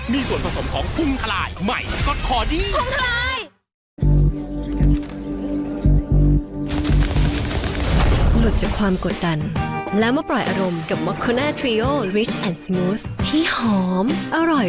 มีส่วนผสมของภูมิทราย